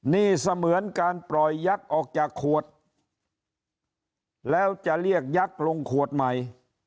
นี่เสมือนการปล่อยยักษ์ออกจากขวดแล้วจะเรียกยักษ์ลงขวดใหม่